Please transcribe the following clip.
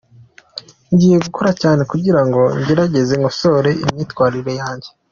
Ngiye gukora cyane kugirango ngerageze nkosore imyitwarire yanjye ”.